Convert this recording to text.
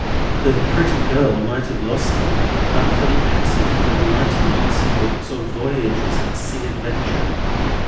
The pretty girl might have lost them but for the accident of lighting on some books of voyages and sea adventure.